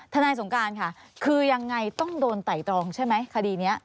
สงการค่ะคือยังไงต้องโดนไต่ตรองใช่ไหมคดีนี้